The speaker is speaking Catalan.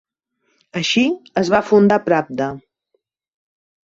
Així, es va fundar "Pravda".